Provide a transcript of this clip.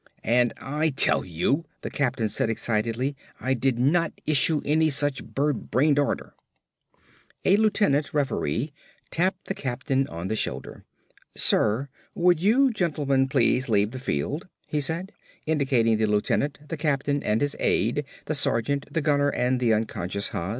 "And I tell you," the captain said excitedly, "I did not issue any such bird brained order." A lieutenant referee tapped the captain on the shoulder. "Sir, would you gentlemen please leave the field," he said, indicating the lieutenant, the captain and his aide, the sergeant, the gunner and the unconscious Haas.